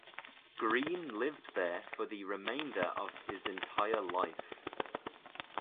Green lived there for the remainder of his entire life.